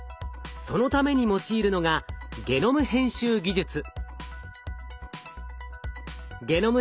そのために用いるのがゲノム編集技術。